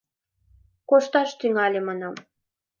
Кошташ тӱҥале, манам.